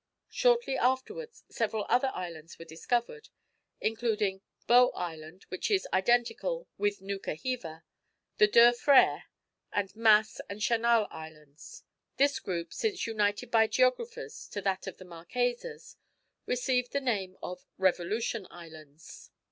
Shortly afterwards several other islands were discovered; including Baux Island, which is identical with Nouka Hiva, the Deux Frères, and Masse and Chanal Islands. This group, since united by geographers to that of the Marquesas, received the name of Revolution Islands.